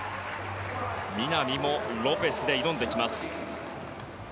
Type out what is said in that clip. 南もロペスで挑んできます。